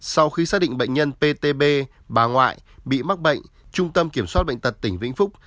sau khi xác định bệnh nhân ptb bà ngoại bị mắc bệnh trung tâm kiểm soát bệnh tật tỉnh vĩnh phúc